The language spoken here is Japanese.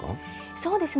そうですね。